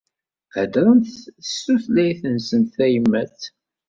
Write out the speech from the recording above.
Heddrent s tutlayt-nsent tayemat.